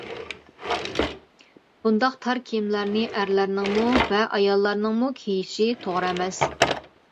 بۇنداق تار كىيىملەرنى ئەرلەرنىڭمۇ ۋە ئاياللارنىڭمۇ كىيىشى توغرا ئەمەس.